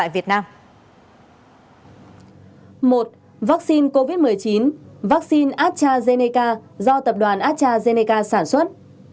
một vaccine covid một mươi chín vaccine astrazeneca do tập đoàn astrazeneca sản xuất